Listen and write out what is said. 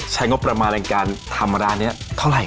ใช้งบประมาณในการทำร้านนี้เท่าไหร่